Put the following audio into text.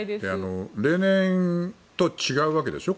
例年と違うわけでしょ？